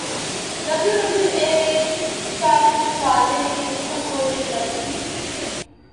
W W E چاہے تو نکال دے لیکن مجھے کنٹرول نہیں کر سکتی